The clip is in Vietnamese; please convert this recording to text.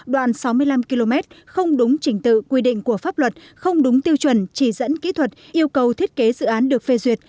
đoạn sáu mươi năm km không đúng trình tự quy định của pháp luật không đúng tiêu chuẩn chỉ dẫn kỹ thuật yêu cầu thiết kế dự án được phê duyệt